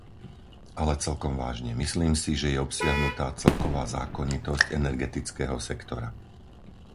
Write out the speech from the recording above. Ale celkom vážne, myslím si, že je obsiahnutá celková zákonitosť energetického sektora.